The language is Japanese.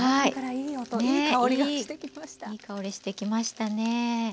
いい香りしてきましたね。